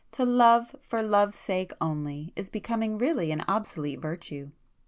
To love for love's sake only, is becoming really an obsolete virtue.